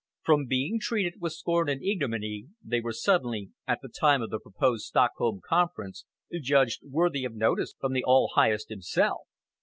From being treated with scorn and ignominy, they were suddenly, at the time of the proposed Stockholm Conference, judged worthy of notice from the All Highest himself.